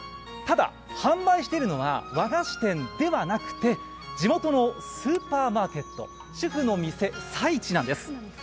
ただ販売しているのは和菓子店ではなくて地元のスーパーマーケット主婦の店さいちなんです。